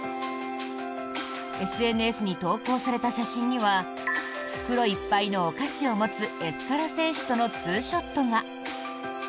ＳＮＳに投稿された写真には袋いっぱいのお菓子を持つエスカラ選手とのツーショットが。